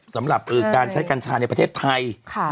สำหรับการใช้กัญชาในประเทศไทย